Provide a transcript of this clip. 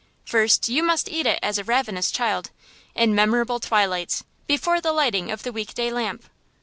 First, you must eat it as a ravenous child, in memorable twilights, before the lighting of the week day lamp.